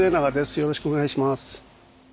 よろしくお願いします。